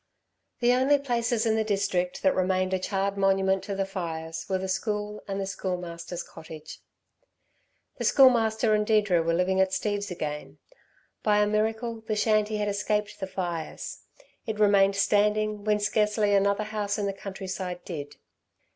The only places in the district that remained a charred monument to the fires were the school and the school master's cottage. The Schoolmaster and Deirdre were living at Steve's again. By a miracle the shanty had escaped the fires; it remained standing when scarcely another house in the countryside did.